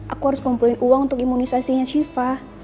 aku harus ngumpulin uang untuk imunisasinya shiva